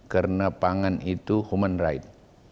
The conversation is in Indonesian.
karena pangan itu human right